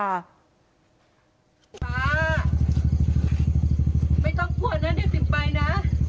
ป๊าไม่ต้องกลัวนะเดี๋ยวติ๊มไปนะ